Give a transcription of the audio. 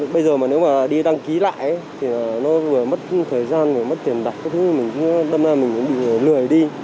bây giờ mà nếu mà đi đăng ký lại thì nó vừa mất thời gian mất tiền đặt tâm ra mình cũng bị lười đi